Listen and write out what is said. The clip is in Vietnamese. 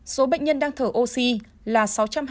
hai số bệnh nhân đang thở oxy là sáu trăm hai mươi chín ca